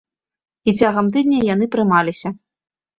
І цягам тыдня яны прымаліся.